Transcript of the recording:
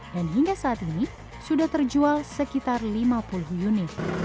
dan hingga saat ini sudah terjual sekitar lima puluh unit